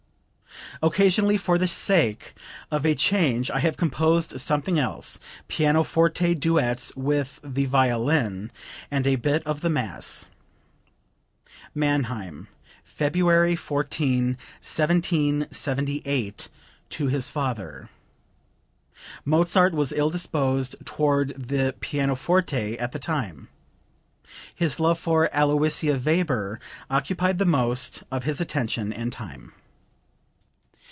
Occasionally for the sake of a change I have composed something else pianoforte duets with the violin, and a bit of the mass." (Mannheim, February 14, 1778, to his father. Mozart was ill disposed toward the pianoforte at the time. His love for Aloysia Weber occupied the most of his attention and time.)